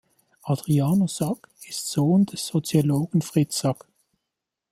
Adriano Sack ist Sohn des Soziologen Fritz Sack.